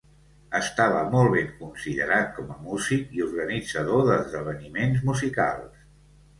Estava molt ben considerat com a músic i organitzador d'esdeveniments musicals.